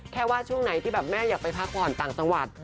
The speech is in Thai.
แค่ว่าช่วงไหนที่แบบแม่อยากไปพักผ่อนต่างจังหวัด